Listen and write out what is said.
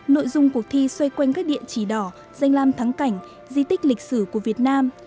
nội dung cuộc thi xoay quanh các địa chỉ đỏ danh lam thắng cảnh di tích lịch sử của việt nam